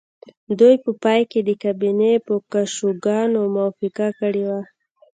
دوی په پای کې د کابینې په کشوګانو موافقه کړې وه